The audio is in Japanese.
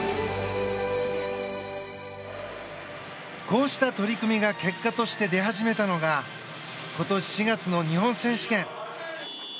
こうした取り組みが結果として出始めたのが今年４月の日本選手権。